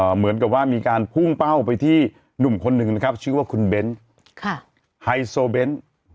เหมือนกับว่ามีการพุ่งเป้าไปที่หนุ่มคนหนึ่งนะครับชื่อว่าคุณเบ้นไฮโซเบนท์